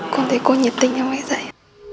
con thấy cô nhiệt tình cho mấy dạy